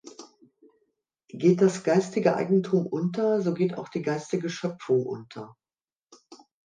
Geht das geistige Eigentum unter, so geht auch die geistige Schöpfung unter.